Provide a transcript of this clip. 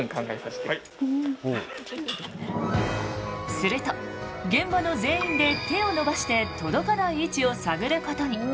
すると現場の全員で手を伸ばして届かない位置を探ることに。